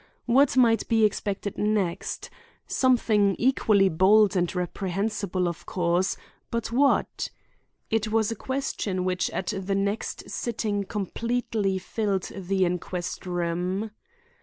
What might be expected next? Something equally bold and reprehensible, of course, but what? It was a question which at the next sitting completely filled the inquest room.